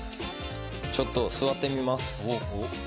ちょっと座ってみます。